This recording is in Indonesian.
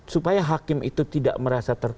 supaya hakim itu tidak merasa ter